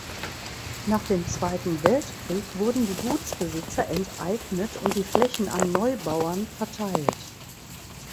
Nach dem Zweiten Weltkrieg wurden die Gutsbesitzer enteignet und die Flächen an Neubauern verteilt.